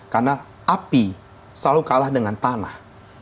karena api selalu kalah dengan tanah